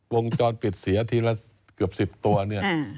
วงจรปิดเสียทีละเกือบ๑๐ตัวเนี่ย